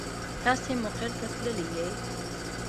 تاسې مقر ته تللي يئ.